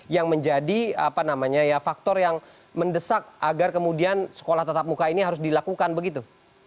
yang menjadi faktor yang mendesak agar kemudian sekolah tatap muka ini harus dilakukan begitu